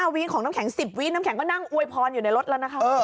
วิของน้ำแข็ง๑๐วิน้ำแข็งก็นั่งอวยพรอยู่ในรถแล้วนะคะ